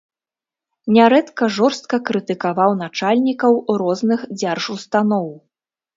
Нярэдка жорстка крытыкаваў начальнікаў розных дзяржустаноў.